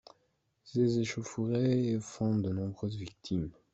Ces échauffourées font de nombreuses victimes.